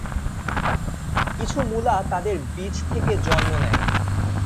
কিছু মূলা তাদের বীজ থেকে জন্ম নেয়।